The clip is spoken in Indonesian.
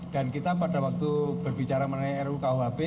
dan kita pada waktu berbicara menaik ru kuhb